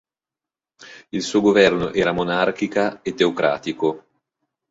Il suo governo era monarchica e teocratico.